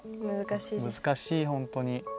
難しい、本当に。